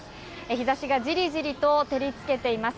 日差しがじりじりと照り付けています。